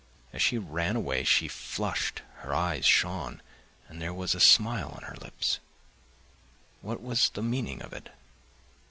As she ran away she flushed, her eyes shone, and there was a smile on her lips—what was the meaning of it?